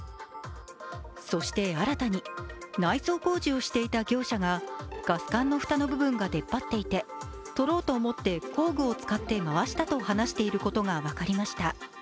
そして新たに、内装工事をしていた業者がガス管の蓋の部分が出っ張っていて取ろうと思って工具を使って回したと話していることが分かりました。